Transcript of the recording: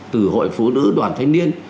từ hội phụ nữ đoàn thanh niên